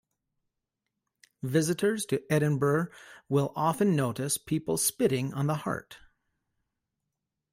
Visitors to Edinburgh will often notice people spitting on the Heart.